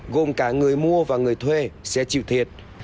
gồm cả người mua và người thuê sẽ chịu thiệt